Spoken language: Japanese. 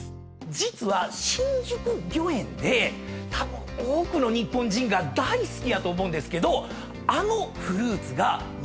実は新宿御苑でたぶん多くの日本人が大好きやと思うんですけど。